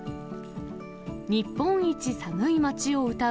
日本一寒い町をうたう